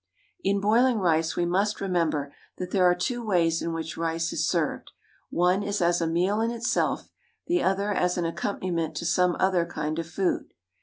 In boiling rice we must remember that there are two ways in which rice is served. One is as a meal in itself, the other as an accompaniment to some other kind of food.